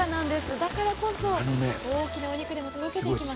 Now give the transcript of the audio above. だからこそ大きなお肉でもとろけていきます。